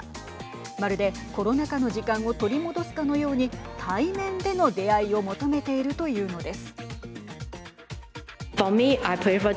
まるでコロナ禍の時間を取り戻すかのように対面での出会いを求めているというのです。